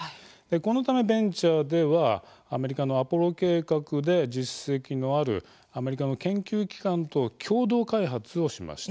このためベンチャーではアメリカの「アポロ計画」で実績のあるアメリカの研究機関と共同開発をしました。